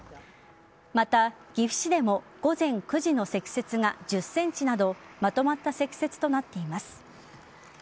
また、岐阜市でも午前９時の積雪が１０ｃｍなどまとまった積雪となっています。